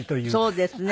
そうですね。